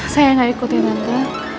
saya gak ikutin tante